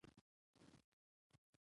زه يې ورکولو ته تيار يم .